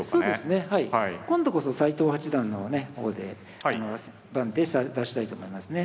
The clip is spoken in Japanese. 今度こそ斎藤八段のね方で手番で出したいと思いますね。